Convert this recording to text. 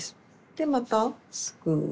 でまたすくう。